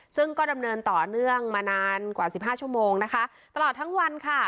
ซึ่งก็ดำเนินต่อเนื่องมานานกว่าสิบห้าชั่วโมงนะคะตลอดทั้งวันค่ะ